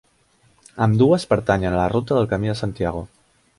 Ambdues pertanyen a la ruta del Camí de Santiago.